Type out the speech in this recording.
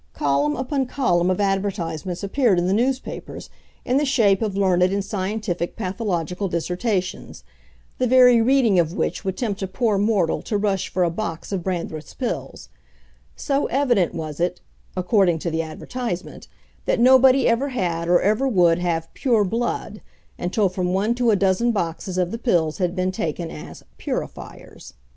Column upon column of advertisements appeared in the newspapers, in the shape of learned and scientific pathological dissertations, the very reading of which would tempt a poor mortal to rush for a box of Brandreth's Pills; so evident was it (according to the advertisement) that nobody ever had or ever would have "pure blood," until from one to a dozen boxes of the pills had been taken as "purifiers."